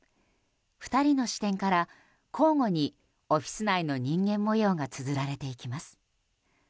２人の視点から交互にオフィス内の人間模様がつづられていきます。